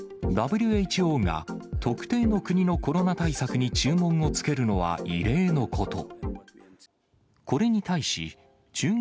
ＷＨＯが、特定の国のコロナ対策に注文をつけるのは異例のこと。